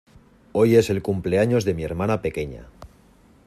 Hoy es el cumpleaños de mi hermana pequeña.